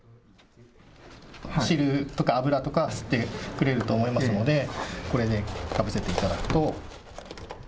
汁とか油とかを吸ってくれると思いますのでこれでかぶせていただくと。